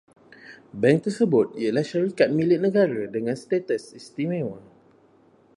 Bank tersebut ialah syarikat milik negara dengan status istimewa